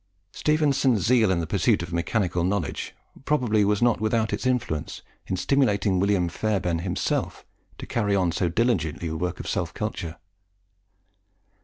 Stephenson's zeal in the pursuit of mechanical knowledge probably was not without its influence in stimulating William Fairbairn himself to carry on so diligently the work of self culture.